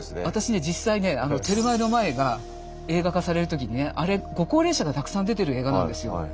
私ね実際ね「テルマエ・ロマエ」が映画化される時にねあれご高齢者がたくさん出てる映画なんですよ。